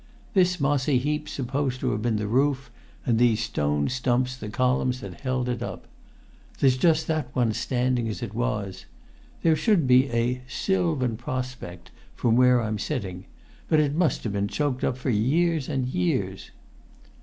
"This mossy heap's supposed to have been the roof, and these stone stumps the columns that held it up. There's just that one standing as it was. There should be a 'sylvan prospect' from where I'm sitting; but it must have been choked up for years and years."